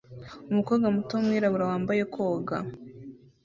Umukobwa muto wumwirabura wambaye koga